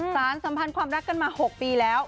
สัมพันธ์ความรักกันมา๖ปีแล้ว